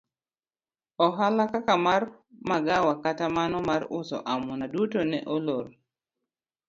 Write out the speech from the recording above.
Ohala kaka mar magawa kata mano mar uso amuna duto ne olor.